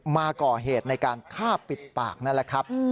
มาก่อเหตุในการฆ่าปิดปากนั่นแหละครับ